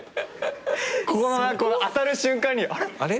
ここの当たる瞬間にあれ？